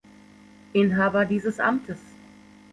Inhaber dieses Amtes.